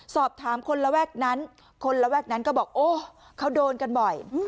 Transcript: สอบถามคนระแวกนั้นคนระแวกนั้นก็บอกโอ้เขาโดนกันบ่อย